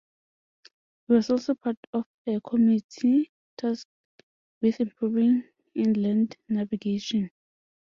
He was also part of a committee tasked with improving inland navigation.